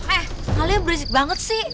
eh halnya berisik banget sih